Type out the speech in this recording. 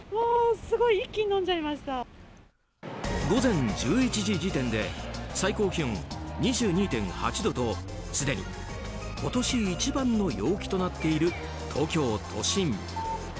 午前１１時時点で最高気温２２．８度とすでに今年一番の陽気となっている東京都心。